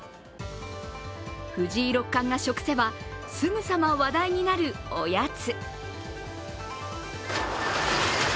藤井六冠が食せば、すぐさま話題になるおやつ。